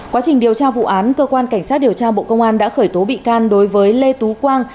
quá trình điều tra vụ án cơ quan cảnh sát điều tra bộ công an đã khởi tố bị can đối với lê tú quang